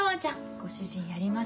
ご主人やりますね。